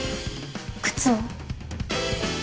靴を。